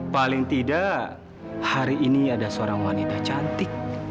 paling tidak hari ini ada seorang wanita cantik